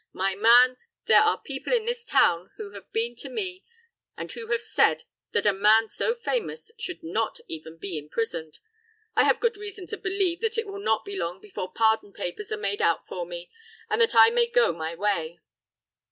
My man, there are people in this town who have been to me and who have said that a man so famous should not even be imprisoned. I have good reason to believe that it will not be long before pardon papers are made out for me, and that I may go my way."